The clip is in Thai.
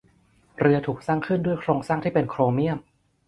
เรือถูกสร้างขึ้นด้วยโครงสร้างที่เป็นโครเมี่ยม